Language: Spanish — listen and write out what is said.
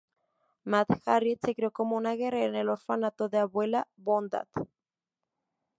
Mad Harriet se crio como una guerrera en el orfanato de Abuela Bondad.